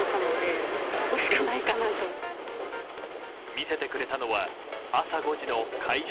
見せてくれたのは朝５時の会場